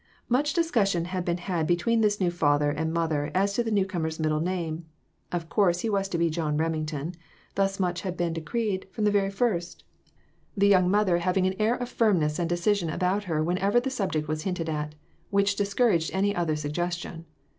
Much discus sion had been had between this new father and mother as to the newcomer's middle name. Of course he was to be John Remington ; thus much had been decreed from the very fin 4 the young J. S. R. 425 mother having an air of firmness and decision about her whenever the subject was hinted at, which discouraged any other suggestion.